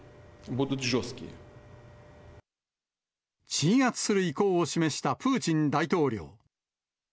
鎮圧する意向を示したプーチン大統領。